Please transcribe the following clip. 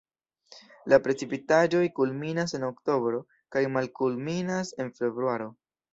La precipitaĵoj kulminas en oktobro kaj malkulminas en februaro.